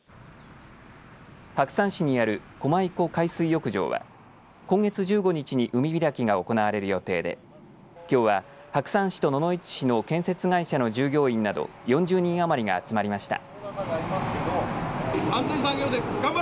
白山市にある小舞子海水浴場は今月１５日に海開きが行われる予定できょうは白山市と野々市市の建設会社の従業員など４０人余りが集まりました。